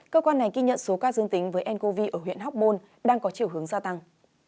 cơ quan này ghi nhận số ca dương tính với ncov ở huyện hóc môn đang có chiều hướng gia tăng